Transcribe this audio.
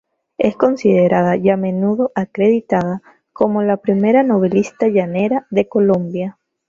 Es considerada y a menudo acreditada como la primera novelista llanera de Colombia.